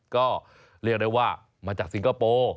ก็เรียกได้ว่ามาจากสิงคโปร์